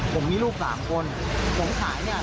มันก็เลยกลายเป็นว่าเหมือนกับยกพวกมาตีกัน